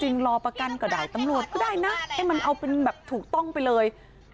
รอประกันก็ได้ตำรวจก็ได้นะให้มันเอาเป็นแบบถูกต้องไปเลย